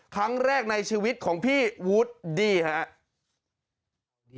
ครั้งแรกในชีวิตของพี่วูดดี้ครับ